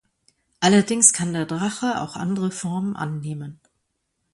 Allerdings kann der Drache auch andere Formen annehmen.